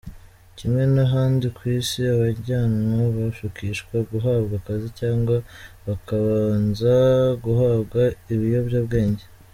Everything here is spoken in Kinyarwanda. Kimwe n’ahandi ku isi, abajyanwa bashukishwa guhabwa akazi cyangwa bakabanza guhabwa ibiyobyabwenge.